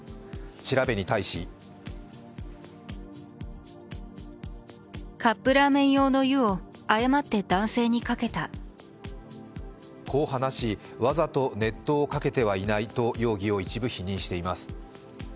調べに対しこう話しわざと熱湯をかけてはいないと一部容疑を否認しています。